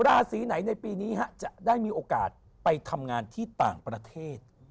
ราศีไหนในปีนี้จะได้มีโอกาสไปทำงานที่ต่างประเทศ